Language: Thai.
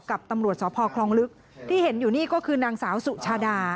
กับตำรวจสพคลองลึกที่เห็นอยู่นี่ก็คือนางสาวสุชาดา